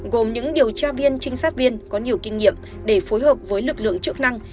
gồm những điều tra viên trinh sát viên có nhiều kinh nghiệm để phối hợp với lực lượng chức năng